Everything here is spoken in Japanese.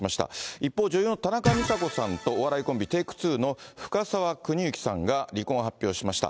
一方、女優の田中美佐子さんとお笑いコンビ、Ｔａｋｅ２の深沢邦之さんが離婚を発表しました。